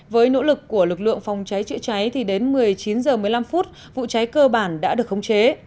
với nỗ lực của lực lượng phòng cháy chữa cháy đến một mươi chín h một mươi năm vụ cháy cơ bản đã được không chế